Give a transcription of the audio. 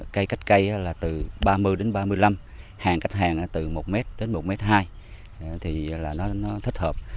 cây cách cây là từ ba mươi đến ba mươi năm hàng khách hàng từ một m đến một m hai thì là nó thích hợp